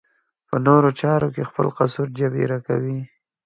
په نورو چارو کې خپل قصور جبېره کوي.